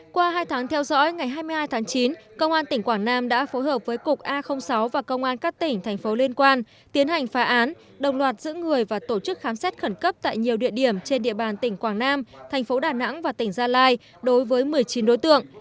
qua hai tháng theo dõi ngày hai mươi hai tháng chín công an tỉnh quảng nam đã phối hợp với cục a sáu và công an các tỉnh thành phố liên quan tiến hành phá án đồng loạt giữ người và tổ chức khám xét khẩn cấp tại nhiều địa điểm trên địa bàn tỉnh quảng nam thành phố đà nẵng và tỉnh gia lai đối với một mươi chín đối tượng